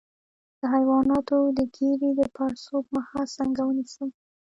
د حیواناتو د ګیډې د پړسوب مخه څنګه ونیسم؟